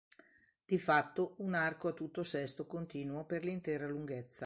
Di fatto un arco a tutto sesto continuo per l’intera lunghezza.